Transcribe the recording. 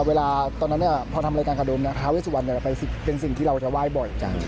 เวลาตอนนั้นพอทำรายการคาดมท้าเวสุวรรณเป็นสิ่งที่เราจะไหว้บ่อยจัง